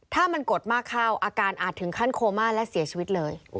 ถ้ามันกดมากเข้าอาการอาจถึงขั้นโคม่าและเสียชีวิตเลย